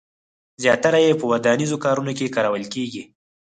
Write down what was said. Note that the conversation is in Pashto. زیاتره یې په ودانیزو کارونو کې کارول کېږي.